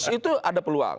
itu ada peluang